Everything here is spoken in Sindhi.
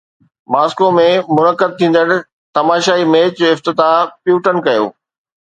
ماسڪو ۾ منعقد ٿيندڙ نمائشي ميچ جو افتتاح پيوٽن ڪيو